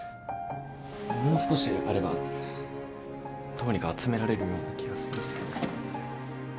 もう少しあればどうにか集められるような気がするんです。